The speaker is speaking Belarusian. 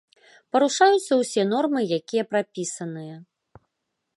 Парушаюцца ўсе нормы, якія прапісаныя.